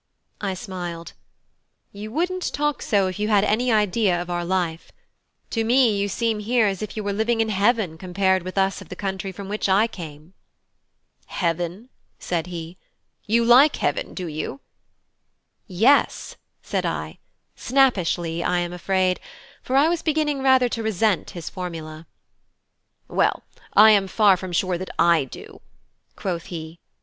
I smiled. "You wouldn't talk so if you had any idea of our life. To me you seem here as if you were living in heaven compared with us of the country from which I came." "Heaven?" said he: "you like heaven, do you?" "Yes," said I snappishly, I am afraid; for I was beginning rather to resent his formula. "Well, I am far from sure that I do," quoth he.